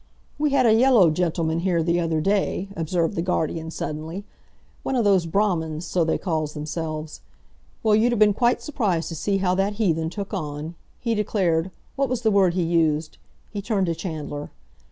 "We had a yellow gentleman here the other day," observed the guardian suddenly; "one of those Brahmins—so they calls themselves. Well, you'd a been quite surprised to see how that heathen took on! He declared—what was the word he used?"—he turned to Chandler.